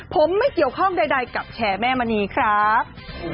ผมไม่เกี่ยวข้องใดกับแชร์แม่มณีครับ